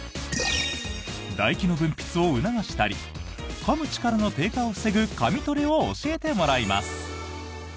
だ液の分泌を促したりかむ力の低下を防ぐ噛みトレを教えてもらいます。